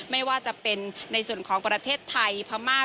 ไม่ว่าจะเป็นในส่วนของประเทศไทยพม่า